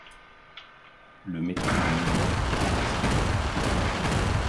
Le métro de New York est infesté de rats.